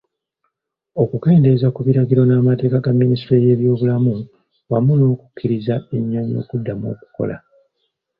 Okukendeeza ku biragiro n'amateeka ga Minisitule y'ebyobulamu wamu n'okukkirizza ennyonyi okuddamu okukola.